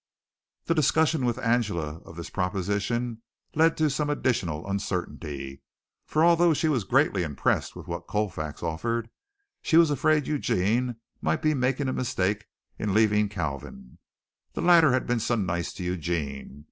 The discussion with Angela of this proposition led to some additional uncertainty, for although she was greatly impressed with what Colfax offered, she was afraid Eugene might be making a mistake in leaving Kalvin. The latter had been so nice to Eugene.